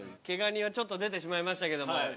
ケガ人はちょっと出てしまいましたけども。